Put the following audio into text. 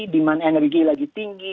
demand energi lagi tinggi